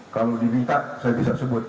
kalau diminta saya bisa sebut